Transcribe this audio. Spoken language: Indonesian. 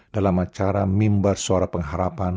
dalam acara mimbar suara pengharapan